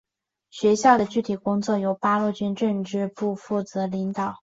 学校的具体工作由八路军政治部负责领导。